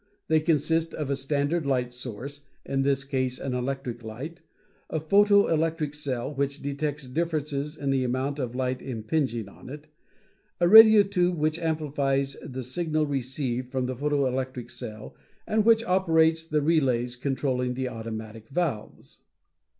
They consist of a standard light source, in this case an electric light, a photo electric cell which detects differences in the amount of light impinging on it, a radio tube which amplifies the signal received from the photo electric cell and which operates the relays controlling the automatic valves.